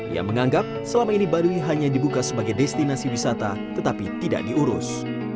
ia menganggap selama ini baduy hanya dibuka sebagai destinasi wisata tetapi tidak diurus